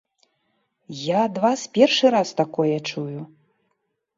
Я ад вас першы раз такое чую!